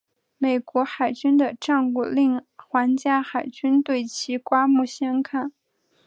美国海军的战果令皇家海军对其刮目相看。